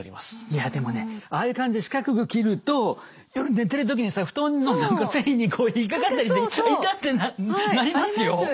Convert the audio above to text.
いやでもねああいう感じで四角く切ると夜寝てる時にさ布団の何か繊維に引っ掛かったりして「あっ痛！」ってなりますよ。